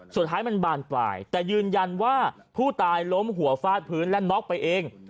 สุดท้ายมันบานปลายแต่ยืนยันว่าผู้ตายล้มหัวฟาดพื้นและน็อกไปเอง